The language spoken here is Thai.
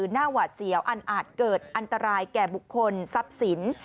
หน้าหวาดเสียวอันอาจเกิดอันตรายแก่บุคคลทรัพย์สิน